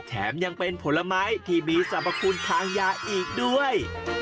แถมยังเป็นผลไม้ที่มีสรรพคุณทางยาอีกด้วย